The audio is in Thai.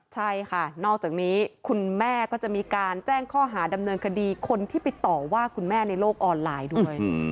ใช่ค่ะนอกจากนี้คุณแม่ก็จะมีการแจ้งข้อหาดำเนินคดีคนที่ไปต่อว่าคุณแม่ในโลกออนไลน์ด้วย